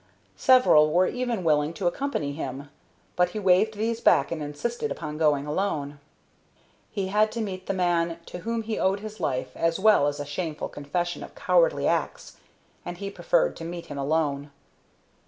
Several were even willing to accompany him, but he waved these back and insisted upon going alone. He had to meet the man to whom he owed his life, as well as a shameful confession of cowardly acts, and he preferred to meet him alone.